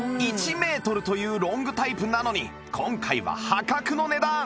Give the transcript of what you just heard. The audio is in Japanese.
１メートルというロングタイプなのに今回は破格の値段！